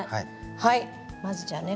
はいまずじゃあね